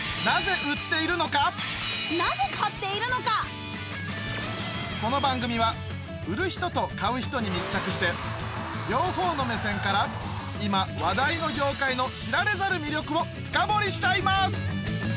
今今この番組は売る人と買う人に密着して両方の目線から今話題の業界の知られざる魅力を深掘りしちゃいます